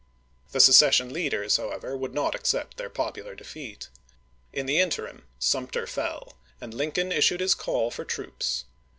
The secession leaders, how ever, would not accept their popular defeat. In the interim Sumter fell, and Lincoln issued his call for troops.